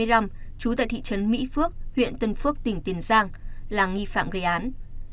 trú tại thị trấn mỹ phước huyện tân phước tỉnh tiền giang là nghi phạm gây án